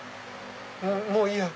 もういいや。